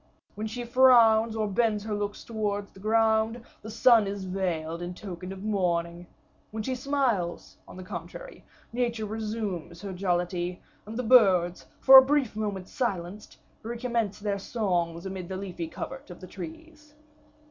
When she frowns, or bends her looks towards the ground, the sun is veiled in token of mourning. When she smiles, on the contrary, nature resumes her jollity, and the birds, for a brief moment silenced, recommence their songs amid the leafy covert of the trees.